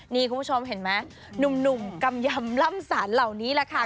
นี่คุณผู้ชมเห็นไหมหนุ่มกำยำล่ำสารเหล่านี้แหละค่ะ